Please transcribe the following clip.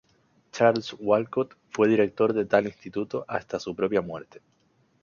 Charles Walcott fue director de tal instituto hasta su propia muerte.